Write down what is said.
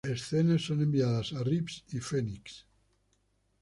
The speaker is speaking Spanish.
Las escenas son enviadas a Reeves y Phoenix.